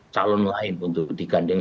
calon lain untuk digandeng